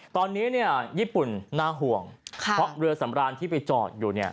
ตอนนี้เนี่ยญี่ปุ่นน่าห่วงเพราะเรือสำราญที่ไปจอดอยู่เนี่ย